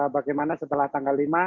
bagaimana setelah tanggal lima